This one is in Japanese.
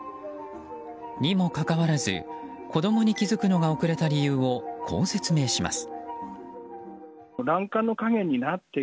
にもかかわらず子供に気付くのが遅れた理由をこう説明します。